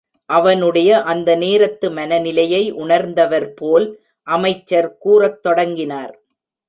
அவனுடைய அந்த நேரத்து மனநிலையை உணர்ந்தவர்போல் அமைச்சர் கூறத் தொடங்கினார்.